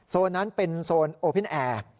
โซนนั้นเป็นโซนโอปน์แอร์